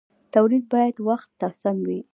تولید باید وخت ته سم وي.